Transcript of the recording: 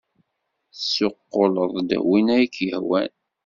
Tessuqquleḍ-d win ay ak-yehwan.